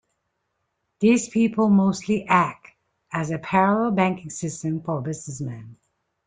These people mostly act as a parallel banking system for businessmen.